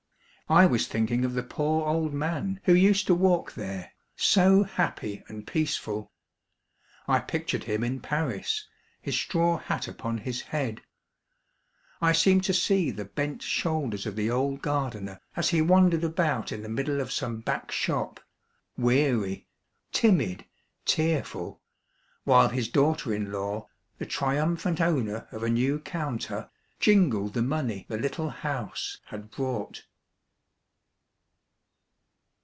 I was thinking of the poor old man who used to walk 250 Monday Tales, there, so happy and peaceful. I pictured him in Paris, his straw hat upon his head ; I seemed to see the bent shoulders of the old gardener as he wan dered about in the middle of some back shop, weary, timid, tearful, while his daughter in law, the triumphant owner of a new counter, jingled the money the little house had brought.